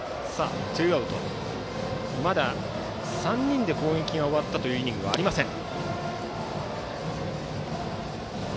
まだ３人で攻撃が終わったイニングはありません。